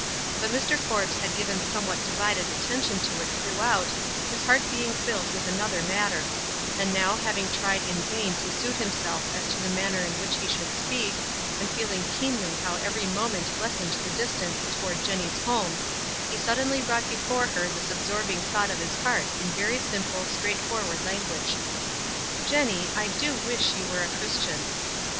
But Mr. Forbes had "iven somewhat divided at tention to it throughout, his heart beinsr filled with another matter ; and now having tried in vain to suit himself as to the manner in which he should speak, and feeling keenly how every moment lessened the distance toward Jenny's home, he suddenly brought before her this ab sorbing thought of his heart in very simple, straightforward language. "Jenny, I do wish you were a Christian